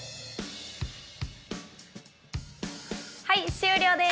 はい終了です。